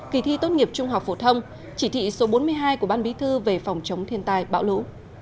kỳ thi tốt nghiệp trung học phổ thông chỉ thị số bốn mươi hai của ban bí thư về phòng chống thiên tai bão lũ